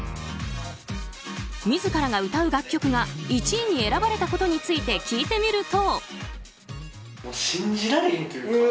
自らが歌う楽曲が１位に選ばれたことについて聞いてみると。